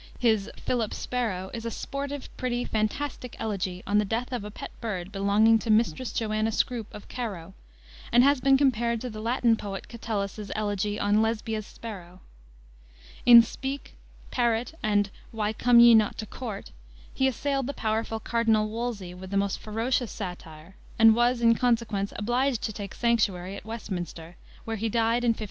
His Phyllyp Sparowe is a sportive, pretty, fantastic elegy on the death of a pet bird belonging to Mistress Joanna Scroupe, of Carowe, and has been compared to the Latin poet Catullus's elegy on Lesbia's sparrow. In Speke, Parrot, and Why Come ye not to Courte? he assailed the powerful Cardinal Wolsey with the most ferocious satire, and was, in consequence, obliged to take sanctuary at Westminster, where he died in 1529.